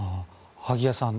萩谷さん